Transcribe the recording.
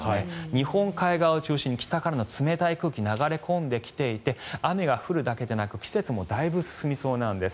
日本海側を中心に北からの冷たい空気が流れ込んできていて雨が降るだけでなく季節もだいぶ進みそうなんです。